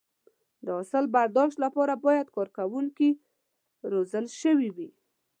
د حاصل برداشت لپاره باید کارکوونکي روزل شوي وي.